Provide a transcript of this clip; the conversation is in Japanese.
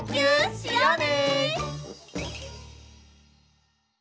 しようね！